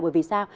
bởi vì sao